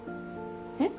えっ？